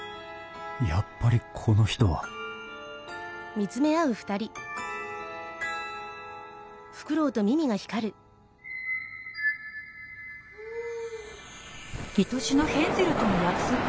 やっぱりこの人はいとしのヘンゼルとの約束？